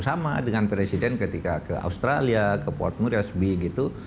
sama dengan presiden ketika ke australia ke portmurils b gitu